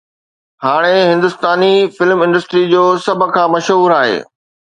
هاڻي Hindustani film industry جو سڀ کان مشهور آهي